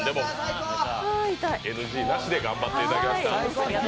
ＮＧなしで頑張ってもらいました。